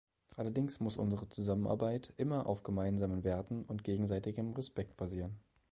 Allerdings muss unsere Zusammenarbeit immer auf gemeinsamen Werten und gegenseitigem Respekt basieren.